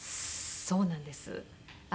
そうなんです。